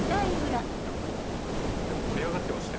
いやでも盛り上がってましたよ。